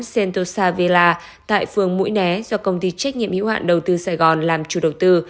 sentosa villa tại phương mũi nẻ do công ty trách nhiệm yếu hạn đầu tư sài gòn làm chủ đầu tư